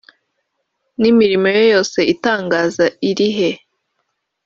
n'imirimo ye yose itangaza irihe